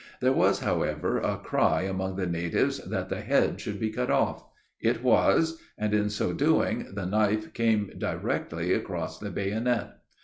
There was, however, a cry among the natives that the head should be cut off: it was; and in so doing, the knife came directly across the bayonet.